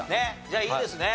じゃあいいですね？